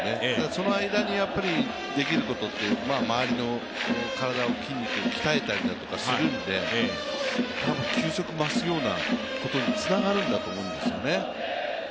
その間にできることって周りの体の筋肉を鍛えたりするので、多分球速、増すようなことにつながるんだと思うんですよね。